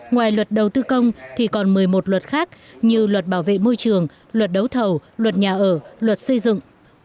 ngoài luật đầu tư công thì còn một mươi một luật khác như luật bảo vệ môi trường luật đấu thầu luật nhà ở luật xây dựng